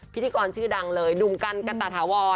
พิธีกรชื่อดังเลยหนุ่มกันกันตาถาวร